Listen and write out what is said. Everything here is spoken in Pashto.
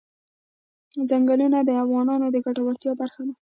چنګلونه د افغانانو د ګټورتیا برخه ده.